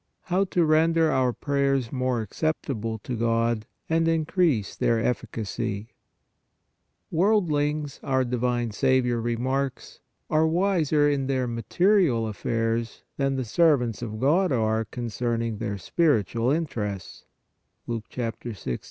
HOW TO RENDER OUR PRAYERS MORE ACCEPTABLE TO GOD AND INCREASE THEIR EFFICACY Worldlings, our divine Saviour remarks, are wiser in their material affairs than the servants of God are concerning their spiritual interests (Luke 1 6.